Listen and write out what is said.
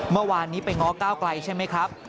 เมื่อวานนี้ไปง้อก้าวไกลใช่ไหมครับ